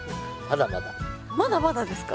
まだまだですか？